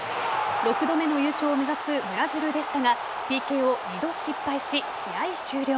６度目の優勝を目指すブラジルでしたがＰＫを２度失敗し、試合終了。